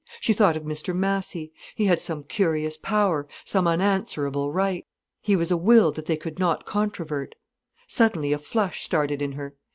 She thought of Mr Massy. He had some curious power, some unanswerable right. He was a will that they could not controvert.—Suddenly a flush started in her.